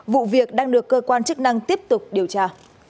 vụ việc đang được cơ quan chức năng tiếp tục điều tra